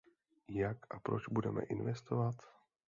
Jak a proč budeme investovat?